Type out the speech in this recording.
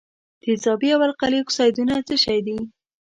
تیزابي او القلي اکسایدونه څه شی دي؟